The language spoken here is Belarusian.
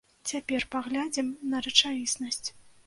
Цяпер паглядзім на рэчаіснасць.